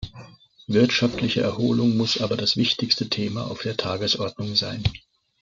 Wirtschaftliche Erholung muss aber das wichtigste Thema auf der Tagesordnung sein.